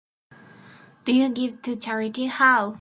Do you give to charity? How?